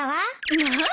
まあ！